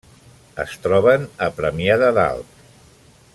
Es troben a Premià de Dalt.